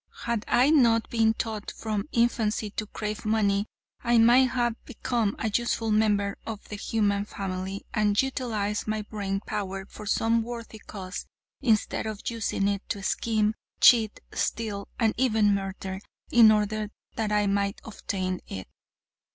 Had I not been taught from infancy to crave money, I might have become a useful member of the human family, and utilized my brain power for some worthy cause, instead of using it to scheme, cheat, steal, and even murder, in order that I might obtain it.